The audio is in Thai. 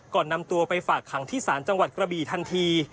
ก่อนนำตัวไปฝากขังที่ศาลจังหวัดกระบี่ทันที